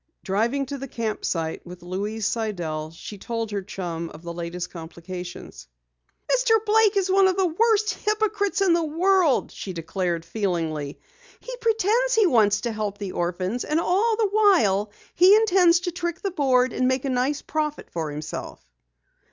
Driving to the camp site with Louise Sidell, she told her chum of the latest complications. "Mr. Blake is one of the worst hypocrites in the world," she declared feelingly. "He pretends he wants to help the orphans, and all the while he intends to trick the Board and make a nice profit for himself."